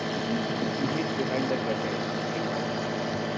He hid behind the curtain, looking out.